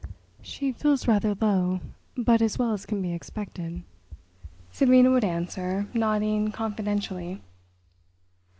"She feels rather low, but as well as can be expected," Sabina would answer, nodding confidentially.